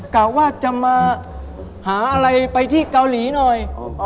กะว่าจะมาหาอะไรไปที่เกาหลีหน่อย